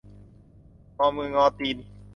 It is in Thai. งอมืองอตีน